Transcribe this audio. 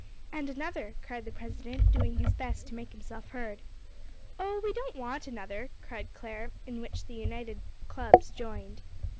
"And another," cried the president, doing his best to make himself heard. "Oh, we don't want another," cried Clare, in which the united clubs joined.